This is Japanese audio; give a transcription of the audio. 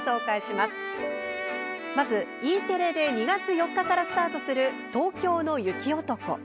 まず、Ｅテレで２月４日からスタートする「東京の雪男」。